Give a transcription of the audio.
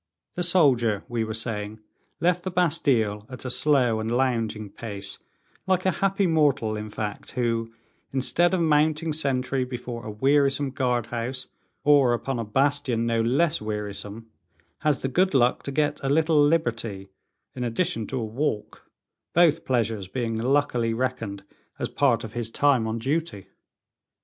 The soldier, we were saying, left the Bastile at a slow and lounging pace, like a happy mortal, in fact, who, instead of mounting sentry before a wearisome guard house, or upon a bastion no less wearisome, has the good luck to get a little liberty, in addition to a walk both pleasures being luckily reckoned as part of his time on duty.